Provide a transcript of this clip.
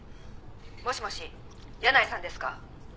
「もしもし箭内さんですか？」